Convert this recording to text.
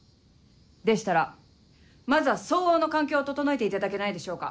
でしたらまずは相応の環境を整えていただけないでしょうか。